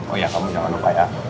oh ya kamu jangan lupa ya